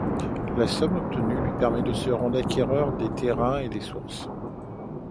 La somme obtenue lui permet de se rendre acquéreur des terrains et des sources.